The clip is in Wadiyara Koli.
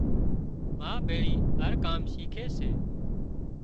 ما ڀيۯي هر ڪام شِيکي سي